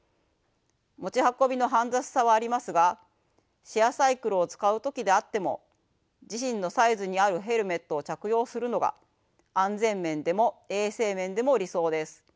持ち運びの煩雑さはありますがシェアサイクルを使う時であっても自身のサイズに合うヘルメットを着用するのが安全面でも衛生面でも理想です。